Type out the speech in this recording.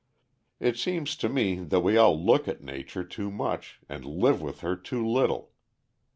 It seems to me that we all look at Nature too much, and live with her too little.